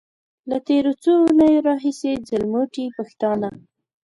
له تېرو څو اونيو راهيسې ځلموټي پښتانه.